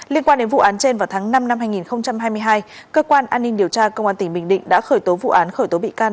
liên quan đến vụ án trên vào tháng năm năm hai nghìn hai mươi hai cơ quan an ninh điều tra công an tỉnh bình định đã khởi tố vụ án khởi tố bị can